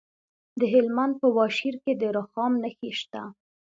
د هلمند په واشیر کې د رخام نښې شته.